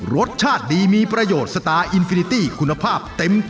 รสชาติดีมีประโยชน์สตาร์อินฟินิตี้คุณภาพเต็ม